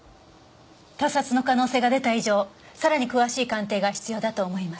他殺の可能性が出た以上さらに詳しい鑑定が必要だと思います。